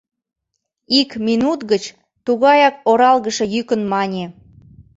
Ик минут гыч тугаяк оралгыше йӱкын мане: